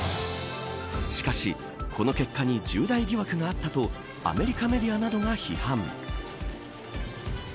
しかし、この結果に重大疑惑があったとアメリカメディアなどが批判。